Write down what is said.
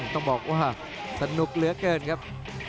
ต้องบอกว่าสนุกเหลือเกินครับ